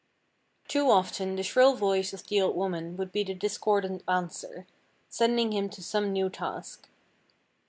Too often the shrill voice of the old woman would be the discordant answer, sending him to some new task.